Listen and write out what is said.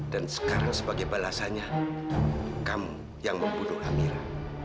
dan sekarang sebagai balasannya kamu yang membunuh amira